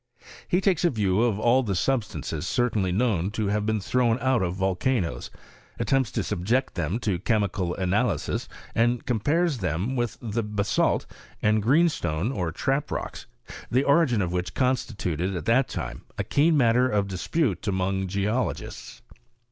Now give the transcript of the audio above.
He takes a view of all the substances certainlj known to have been thrown out of volcanoes, at tempts to subject them to a chemical analysis, and compares them with the basalt, and greenstone or trap rocks, the origin of which constituted at tfait time a keen matter of dispute among geologists.